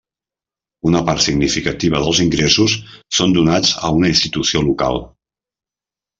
Una part significativa dels ingressos són donats a una institució local.